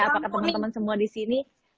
apakah teman teman semua di sini